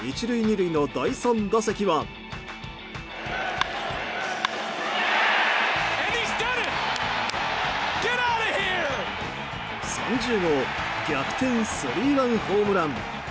１塁２塁の第３打席は３０号逆転スリーランホームラン！